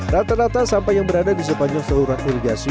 rata rata sampah yang berada di sepanjang saluran irigasi